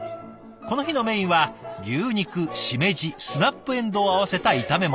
この日のメインは牛肉しめじスナップえんどうを合わせた炒め物。